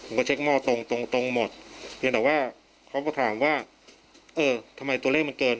เช็คหม้อตรงตรงหมดเพียงแต่ว่าเขาก็ถามว่าเออทำไมตัวเลขมันเกิน